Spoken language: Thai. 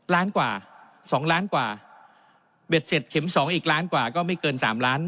ล้านกว่า๒ล้านกว่าเบ็ดเสร็จเข็มสองอีกล้านกว่าก็ไม่เกิน๓ล้าน